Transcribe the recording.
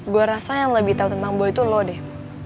gue rasa yang lebih tahu tentang gue itu lo deh